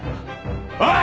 おい！